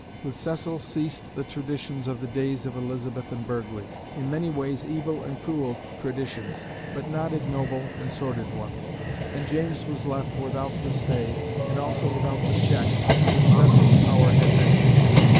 With Cecil ceased the traditions of the days of Elizabeth and Burghley, in many ways evil and cruel traditions, but not ignoble and sordid ones; and James was left without the stay, and also without the check, which Cecil's power had been to him.